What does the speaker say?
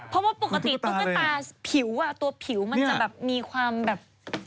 เพราะว่าปกติตุ๊กตาผิวอ่ะตัวผิวมันจะแบบมีความแบบ